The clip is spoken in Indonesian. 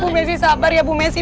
bu mesi sabar ya bu mesi